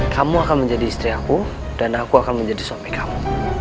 kamu akan menjadi istri aku dan aku akan menjadi suami kamu